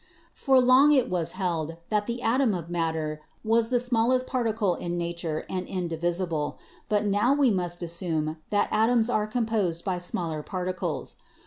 "For long it was held that the atom of matter was the NATURE AND FORCE 153 smallest particle in nature and indivisible, but now we must assume that atoms are composed by smaller particles.